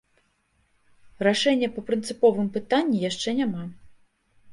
Рашэння па прынцыповым пытанні яшчэ няма.